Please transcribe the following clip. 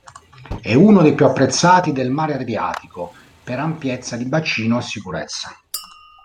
È uno dei più apprezzati del Mare Adriatico per ampiezza di bacino e sicurezza.